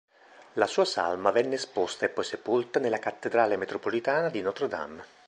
La sua salma venne esposta e poi sepolta nella cattedrale metropolitana di Notre-Dame.